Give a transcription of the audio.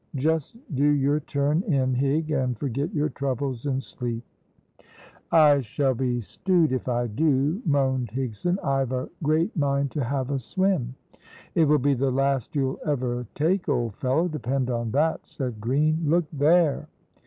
Just do your turn in, Hig, and forget your troubles in sleep." "I shall be stewed if I do," moaned Higson. "I've a great mind to have a swim." "It will be the last you'll ever take, old fellow, depend on that," said Green. "Look there!"